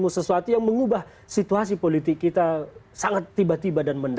sesuatu yang mengubah situasi politik kita sangat tiba tiba dan mendada